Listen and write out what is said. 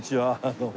どうも。